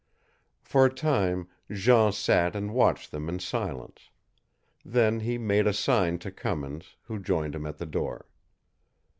For a time Jean sat and watched them in silence; then he made a sign to Cummins, who joined him at the door.